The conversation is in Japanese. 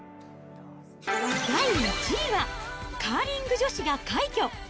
第１位は、カーリング女子が快挙！